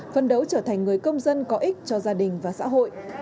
phân đấu trở thành người công dân có ích cho gia đình